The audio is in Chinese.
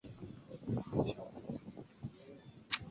傕之子式。